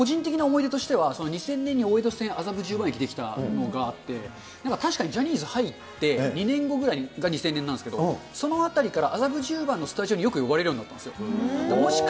そうですね、２０００年に大江戸線麻布十番駅が出来たのもあって、確かにジャニーズ入って２年後ぐらいが２０００年なんですけれども、そのあたりから麻布十番のスタジオによく呼ばれるようになったんですよ。